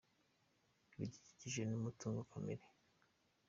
ibidukikije n’umutungo kamere.